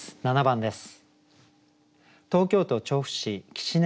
７番です。